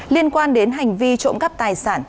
liên quan đến hành vi trộm cắp tài sản